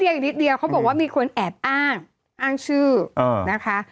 อีกนิดเดียวเขาบอกว่ามีคนแอบอ้างอ้างชื่อนะคะ